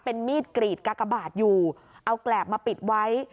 เป็นมีดกรีดกากบาทอยู่เอาแกรบมาปิดไว้